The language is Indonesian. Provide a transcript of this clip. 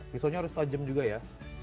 pisaunya harus tajam juga ya